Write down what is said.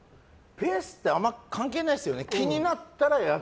ペースってあんまり関係ないですよね。